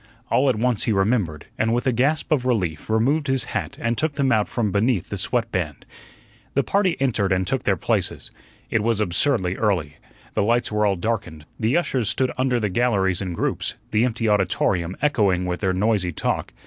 All at once he remembered, and with a gasp of relief removed his hat and took them out from beneath the sweatband. The party entered and took their places. It was absurdly early. The lights were all darkened, the ushers stood under the galleries in groups, the empty auditorium echoing with their noisy talk.